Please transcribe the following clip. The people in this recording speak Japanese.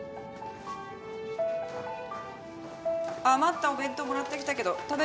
余ったお弁当もらってきたけど食べる？